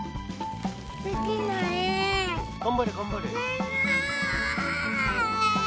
頑張れ頑張れ。